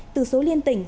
từ số liên tỉnh